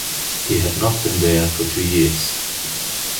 He had not been there for two years.